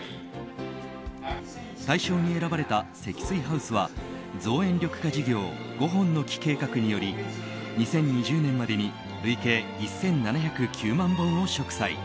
大賞に選ばれた積水ハウスは造園緑化事業５本の樹計画により２０２０年までに累計１７０９万本を植栽。